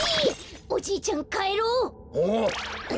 おじいちゃんかえろう。